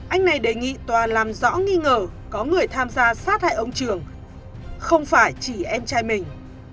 anh này đề nghị tòa làm rõ nghi ngờ có người tham gia sát hại ông trường không phải chỉ em trai mình